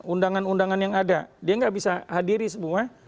undangan undangan yang ada dia nggak bisa hadiri semua